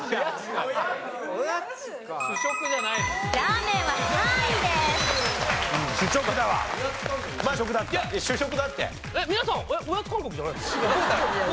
おやつ感覚じゃないんですか？